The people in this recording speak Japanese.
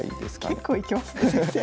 結構いきますね先生。